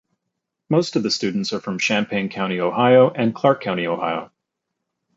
Most of the students are from Champaign County, Ohio and Clark County, Ohio.